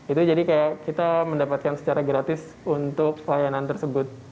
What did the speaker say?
itu jadi kayak kita mendapatkan secara gratis untuk layanan tersebut